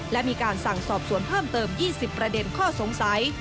และมีการสั่งสอบสวนเพิ่มเติม๒๐ประเด็นข้อสงสัย